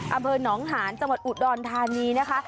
อำเภอหนองหานจังหวัดอุดรธานีนะคะ